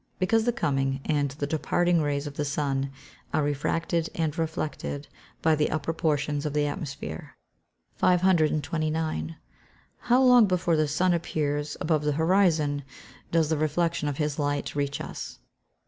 _ Because the coming and the departing rays of the sun are refracted and reflected by the upper portions of the atmosphere. (See Fig. 13.) 529. _How long before the sun appears above the horizon does the reflection of his light reach us?